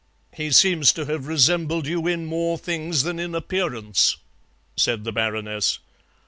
"He seems to have resembled you in more things than in appearance," said the Baroness.